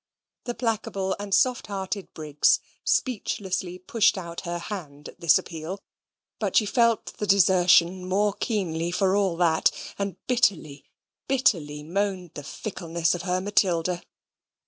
The placable and soft hearted Briggs speechlessly pushed out her hand at this appeal; but she felt the desertion most keenly for all that, and bitterly, bitterly moaned the fickleness of her Matilda.